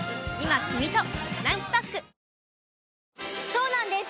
そうなんです